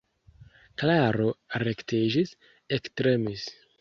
Klaro rektiĝis, ektremis.